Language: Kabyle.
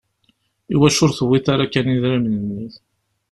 Iwacu ur tewwiḍ ara kan idrimen-nni?